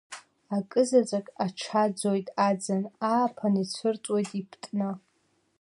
Акызаҵәык, аҽаӡоит аӡын, ааԥын ицәырҵуеит ипытны.